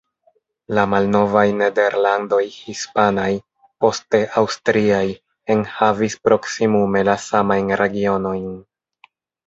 La malnovaj Nederlandoj hispanaj, poste aŭstriaj enhavis proksimume la samajn regionojn.